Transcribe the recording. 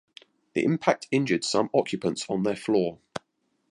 The impact injured some occupants on their floor.